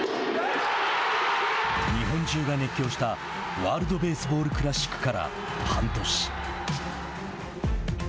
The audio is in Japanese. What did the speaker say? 日本中が熱狂したワールドベースボールクラシックから半年。